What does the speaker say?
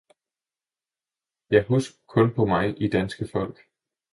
Ja, husk kun på mig I danske folk!